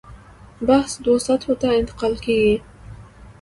بحث دوو سطحو ته انتقال کېږي.